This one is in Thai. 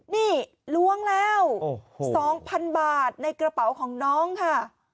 นี่ล้วงแล้ว๒๐๐๐บาทในกระเป๋าของน้องค่ะ